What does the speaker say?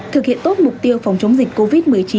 thực hiện tốt mục tiêu phòng chống dịch covid một mươi chín